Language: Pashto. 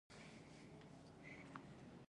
خو په ورته وخت کې ویجاړونکې هم ده.